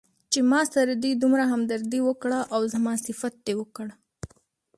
چې ماسره دې دومره همدردي وکړه او زما صفت دې وکړ.